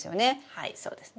はいそうですね。